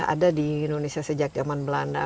ada di indonesia sejak zaman belanda